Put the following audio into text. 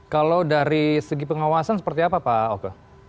kalau dari segi pengawasan seperti apa pak oke